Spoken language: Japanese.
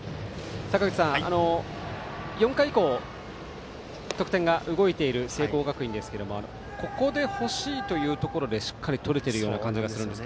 坂口さん、４回以降得点が動いている聖光学院ですがここで欲しいというところでしっかり取れている感じがします。